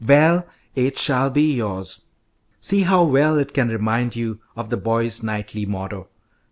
"Well, it shall be yours. See how well it can remind you of the boys' knightly motto.